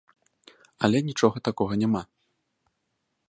Але нічога такога няма!